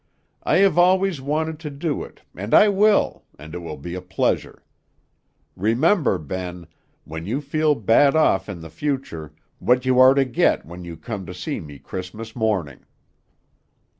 "I have always wanted to do it, and I will, and it will be a pleasure. Remember, Ben, when you feel bad off in future, what you are to get when you come to see me Christmas morning."